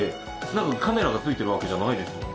なんかカメラが付いてるわけじゃないですもんね。